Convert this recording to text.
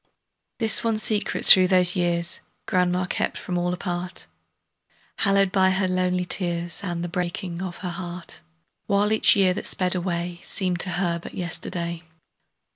This one secret through those years Grandma kept from all apart, Hallowed by her lonely tears And the breaking of her heart; While each year that sped away Seemed to her but yesterday.